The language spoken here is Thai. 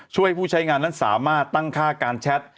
ช่วยผู้ใช้งานนั้นสามารถตั้งค่าการแชท